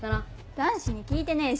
男子に聞いてねえし。